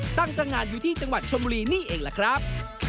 ตั้งตรงานอยู่ที่จังหวัดชมบุรีนี่เองล่ะครับ